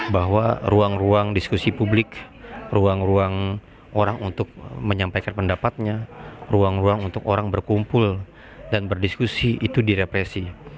bahwa ruang ruang diskusi publik ruang ruang orang untuk menyampaikan pendapatnya ruang ruang untuk orang berkumpul dan berdiskusi itu direpresi